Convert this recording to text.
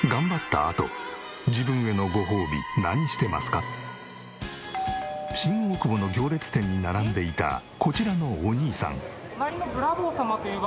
皆さんは新大久保の行列店に並んでいたこちらのお兄さん。